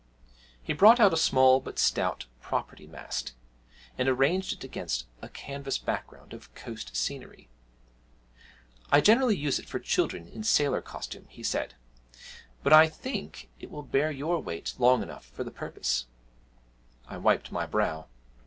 He brought out a small but stout property mast, and arranged it against a canvas background of coast scenery. 'I generally use it for children in sailor costume,' he said, 'but I think it will bear your weight long enough for the purpose.' I wiped my brow.